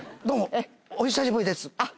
どうもお久しぶりです。